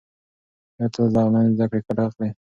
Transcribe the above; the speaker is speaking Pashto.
آیا ته له انلاین زده کړې ګټه اخلې؟